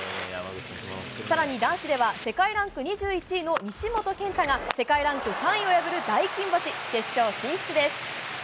さらに男子では、世界ランク２１位の西本拳太が、世界ランク３位を破る大金星。